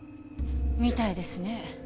みたいですね。